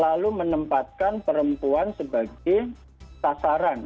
kita harus menempatkan perempuan sebagai sasaran